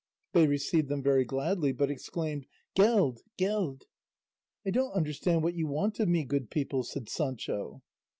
They received them very gladly, but exclaimed, "Geld! Geld!" "I don't understand what you want of me, good people," said Sancho.